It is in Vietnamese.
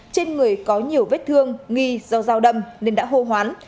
trên người có nhiều vết thương nghi do dao đâm nên đã hô hoán